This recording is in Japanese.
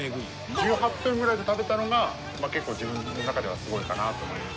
１８分ぐらいで食べたのがまあ結構自分の中ではすごいかなぁと思います。